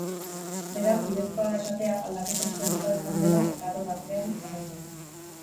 Beraz bidezkoa da esatea, aldaketa historikoa izan dela eta aro baten amaiera.